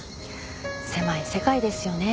狭い世界ですよね。